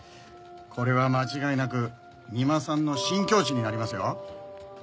これは間違いなく三馬さんの新境地になりますよ。